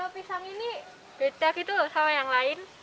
pisang ini bedak itu sama yang lain